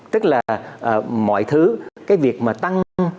tức là mọi thứ cái việc mà tăng